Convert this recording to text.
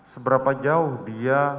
seberapa jauh dia